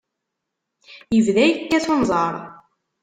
Yebda yekkat unẓar.